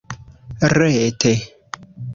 rete